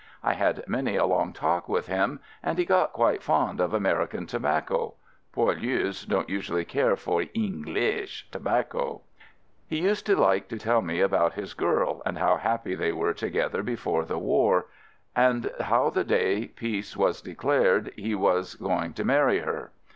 I had many a long talk with him, and he got quite fond of American tobacco (poilus don't usually care for "eenglish" tobacco). He used to like to tell me about his girl, and how happy they were together before the war — and how the day peace was declared, he was going to marry her.